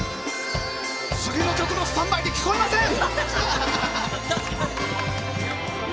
次の曲のスタンバイで聴こえません！